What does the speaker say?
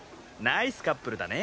ナイスカップルだね。